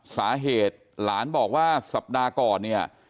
สาเหตุหลานบอกว่าสัปดาห์ก่อนเนี่ย